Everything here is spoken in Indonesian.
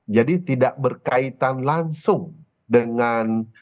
jadi tidak berkaitan langsung dengan